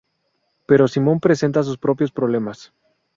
Pero Simón presenta sus propios problemas.